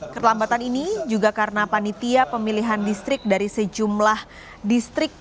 keterlambatan ini juga karena panitia pemilihan distrik dari sejumlah distrik